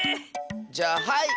じゃあはい！